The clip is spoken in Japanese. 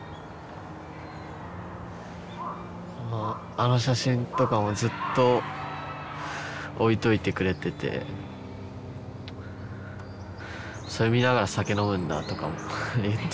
あの写真とかもずっと置いといてくれててそれ見ながら酒飲むんだとかも言って。